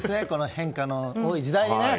変化の多い時代に。